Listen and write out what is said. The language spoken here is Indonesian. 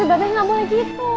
tapi babel gak mau lagi itu